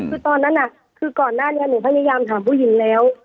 คือตอนนั้นน่ะคือก่อนหน้านี้หนูพยายามถามผู้หญิงแล้ว